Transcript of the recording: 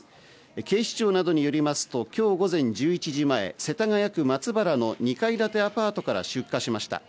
警視庁などによりますと、今日午前１１時前、世田谷区松原の２階建てアパートから出火しました。